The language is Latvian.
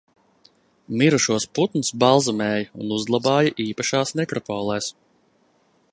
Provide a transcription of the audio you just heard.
Mirušos putnus balzamēja un uzglabāja īpašās nekropolēs.